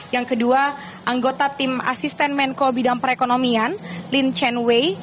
yang kedua anggota tim asisten menko bidang perekonomian lin chen wei